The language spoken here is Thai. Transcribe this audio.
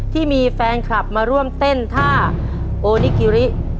ที่มีแฟนคลับมาร่วมเต้นท่าโอนิกิริ